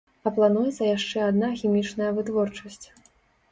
А плануецца яшчэ адна хімічная вытворчасць.